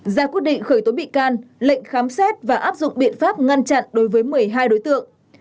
ra quyết định khởi tố bị can lệnh khám xét và áp dụng biện pháp ngăn chặn đối với một mươi hai đối tượng